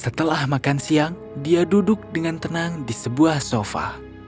setelah makan siang dia duduk dengan tenang di sebuah sofa